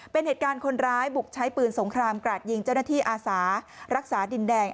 เป็นเหตุการณ์คนร้ายบุกใช้ปืนสงครามกราดยิงเจ้าหน้าที่อาสารักษาดินแดง